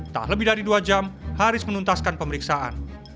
tak lebih dari dua jam haris menuntaskan pemeriksaan